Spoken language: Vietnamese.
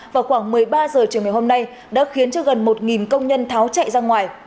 vào khoảng một mươi ba h chiều ngày hôm nay đã khiến cho gần một công nhân tháo chạy ra ngoài